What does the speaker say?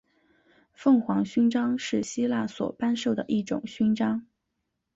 凤凰勋章是希腊所颁授的一种勋章。